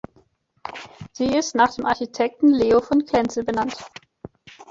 Sie ist nach dem Architekten Leo von Klenze benannt.